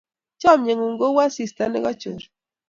Chamnyengung ko u asista ne kachor